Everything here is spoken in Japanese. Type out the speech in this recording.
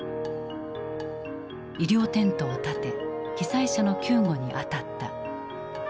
医療テントをたて被災者の救護に当たった。